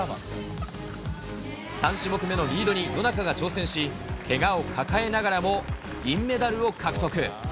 ３種目目のリードに野中が挑戦し、けがを抱えながらも銀メダルを獲得。